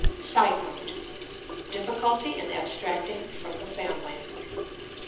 [Sidenote: Difficulty in abstracting from the family.